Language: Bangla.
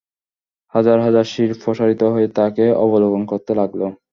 হাজার হাজার শির প্রসারিত হয়ে তাঁকে অবলোকন করতে লাগল।